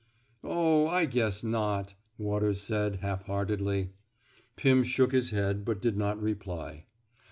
Oh, I guess not," Waters said, half heartedly. Pim shook his head, but did not reply.